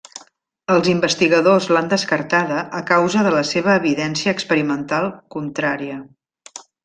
Els investigadors l'han descartada a causa de la seva evidència experimental contrària.